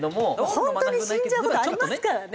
本当に死んじゃう事ありますからね。